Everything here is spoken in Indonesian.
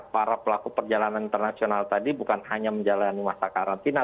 para pelaku perjalanan internasional tadi bukan hanya menjalani masa karantina